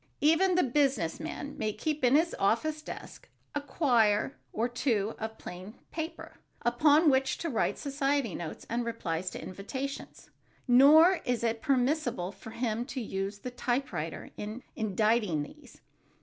Even the business man may keep in his office desk a quire or two of plain paper upon which to write society notes and replies to invitations. Nor is it permissible for him to use the typewriter in inditing these.